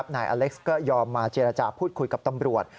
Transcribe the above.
นายอเล็กซ์ก็ยอมมาเจรจาพูดคุยกับตำรวจ